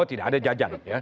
tidak ada jajan